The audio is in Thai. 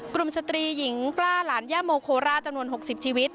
สตรีหญิงกล้าหลานย่าโมโคราชจำนวน๖๐ชีวิต